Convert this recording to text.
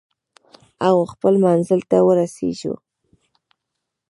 او خپل منزل ته ورسیږو.